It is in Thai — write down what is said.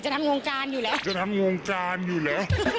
จะทำโรงการอยู่แหละ